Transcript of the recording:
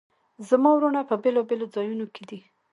زما وروڼه په بیلابیلو ځایونو کې دي